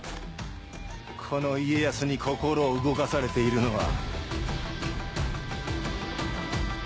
この家康に心を動かされているのは。